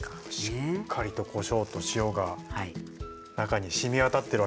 しっかりとこしょうと塩が中に染み渡ってるわけですね。